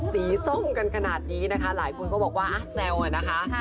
ส้มกันขนาดนี้นะคะหลายคนก็บอกว่าแซวอะนะคะ